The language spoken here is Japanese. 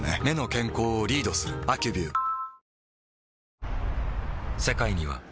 目の健康をリードする「アキュビュー」